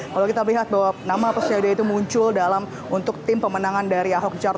kalau kita melihat bahwa nama persyade itu muncul dalam untuk tim pemenangan dari ahok jarot